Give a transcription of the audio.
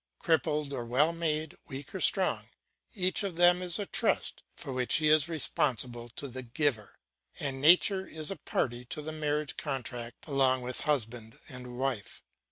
Crippled or well made, weak or strong, each of them is a trust for which he is responsible to the Giver, and nature is a party to the marriage contract along with husband and wife.